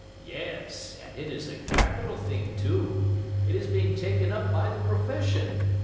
"Yes, and it is a capital thing, too; it is being taken up by the profession.